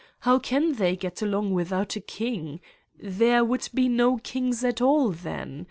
How can they get along without a king? There would be no kings at all then.